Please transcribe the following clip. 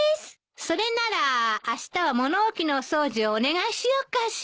それならあしたは物置のお掃除をお願いしようかしら。